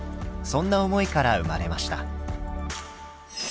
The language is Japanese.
そんな思いから生まれました。